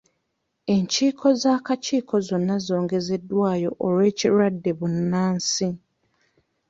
Enkiiko z'akakiiko zonna zongezeddwayo olw'ekirwadde bbunansi.